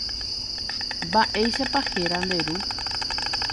Mba'éichapa héra nde ru.